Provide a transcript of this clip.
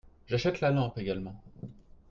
J'achète la lampe également.